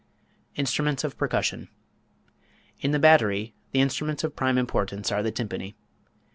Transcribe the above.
Instruments of Percussion. In the "battery" the instruments of prime importance are the tympani.